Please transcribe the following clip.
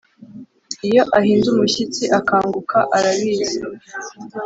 iyo ahinda umushyitsi, akanguka, arabizi,